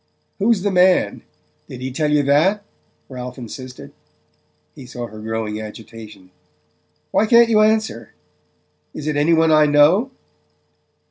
"Who's the man? Did he tell you that?" Ralph insisted. He saw her growing agitation. "Why can't you answer? Is it any one I know?"